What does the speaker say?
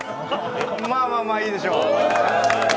まあまあまあ、いいでしょう。